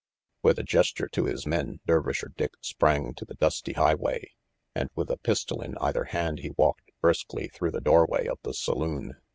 With a gesture to his men, Dervisher Dick sprang to the dusty highway, and with a pistol in either hand he walked briskly through the doorway of the saloon.